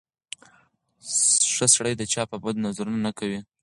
ښه سړی د چا په بدو نظر نه کوي.